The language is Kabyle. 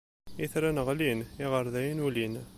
Itran ɣlin, iɣerdayen ulin.